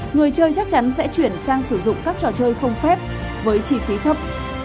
người chơi chắc chắn sẽ chuyển sang sử dụng các trò chơi không phép với chi phí thấp